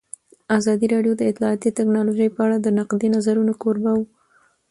ازادي راډیو د اطلاعاتی تکنالوژي په اړه د نقدي نظرونو کوربه وه.